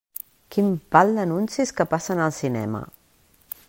Quin pal d'anuncis que passen al cinema!